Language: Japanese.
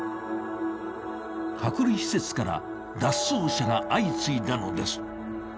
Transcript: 隔離施設から脱走者が相次いだのです。